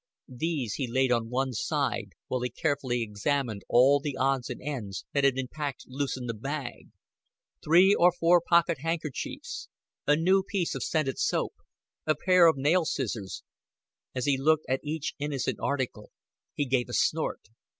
These he laid on one side, while he carefully examined all the odds and ends that had been packed loose in the bag. Three or four pocket handkerchiefs, a new piece of scented soap, a pair of nail scissors as he looked at each innocent article, he gave a snort.